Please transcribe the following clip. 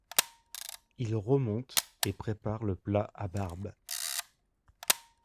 Il remonte et prépare le plat à barbe.